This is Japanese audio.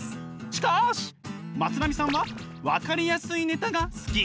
しかしまつなみさんはわかりやすいネタが好き。